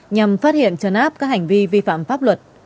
nhằm phát hiện trấn áp các hành vi vi phạm pháp luật